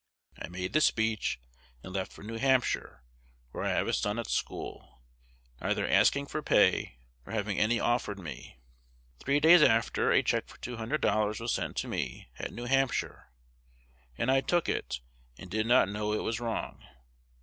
I made the speech, and left for New Hampshire, where I have a son at school, neither asking for pay nor having any offered me. Three days after, a check for $200 was sent to me at N.H.; and I took it, and did not know it was wrong.